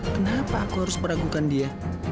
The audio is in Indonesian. kenapa aku harus meragukan dia